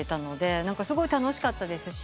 すごい楽しかったですし。